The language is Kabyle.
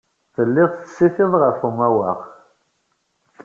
Tellid tettsitid ɣef umawaɣ.